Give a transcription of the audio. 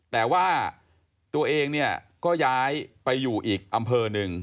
แต่ว่าตัวเองเนี่ยก็ย้ายไปอยู่อีกอำเภอหนึ่ง